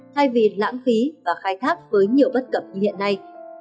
thay vì lãng phí và khai thác với nhiều bất cập như hiện nay